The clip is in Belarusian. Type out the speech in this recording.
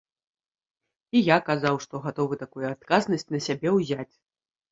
І я казаў, што гатовы такую адказнасць на сябе ўзяць.